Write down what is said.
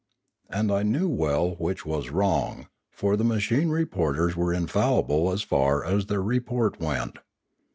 And I knew well which was wrong; for the machine reporters were infallible as far as their report went.